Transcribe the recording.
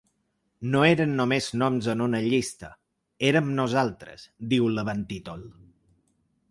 No eren només noms en una llista, eren nosaltres, diu l’avanttítol.